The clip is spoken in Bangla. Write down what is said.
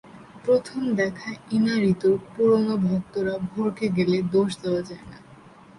প্রথম দেখায় ইনারিতুর পুরোনো ভক্তরা ভড়কে গেলে দোষ দেওয়া যায় না।